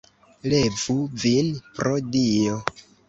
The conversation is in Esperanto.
Levu vin, pro Dio!